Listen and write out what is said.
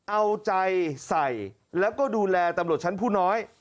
เอาใจใส่แล้วก็ดูแลตำรวจชั้นผู้น้อย